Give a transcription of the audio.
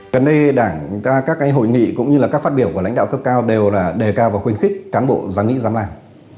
gần đây các hội nghị cũng như các phát biểu của lãnh đạo cấp cao đều đề cao và khuyến khích cán bộ dám nghĩ dám làm